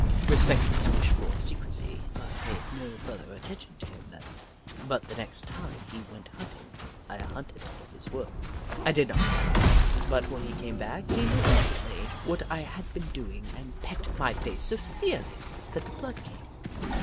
Respecting his wish for secrecy, I paid no further attention to him then, but the next time he went hunting I hunted for his work. I did not find it, but when he came back, he knew instantly what I had been doing and pecked my face so severely that the blood came.